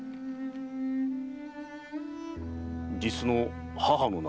実の母の名は？